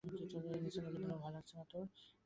নিসার আলি বললেন, ভয় লাগছে না তোর?